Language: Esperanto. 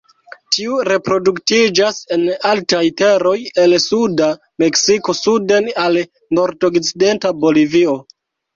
Tiu reproduktiĝas en altaj teroj el suda Meksiko suden al nordokcidenta Bolivio.